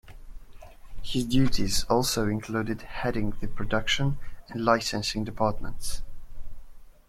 His duties also included heading the production and licensing departments.